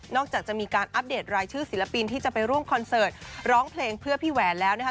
จากจะมีการอัปเดตรายชื่อศิลปินที่จะไปร่วมคอนเสิร์ตร้องเพลงเพื่อพี่แหวนแล้วนะคะ